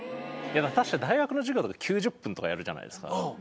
確か大学の授業とか９０分とかやるじゃないですか。